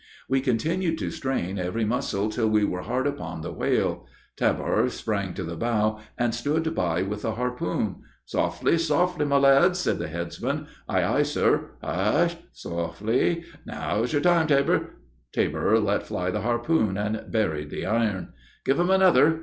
We continued to strain every muscle till we were hard upon the whale. Tabor sprang to the bow, and stood by with the harpoon. "Softly, softly, my lads," said the headsman. "Ay, ay sir!" "Hush h h! softly! Now's your time, Tabor!" Tabor let fly the harpoon, and buried the iron. "Give him another!"